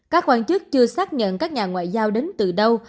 các quan chức chưa xác nhận các nhà ngoại giao đến từ đâu